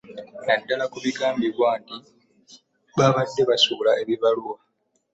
Naddala ku bigambibwa nti baabadde basuula ebibaluwa